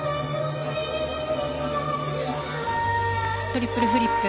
トリプルフリップ。